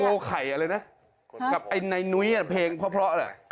โตไข่เลยนะกับไอ้ในุ้้ยเพลงเพราะ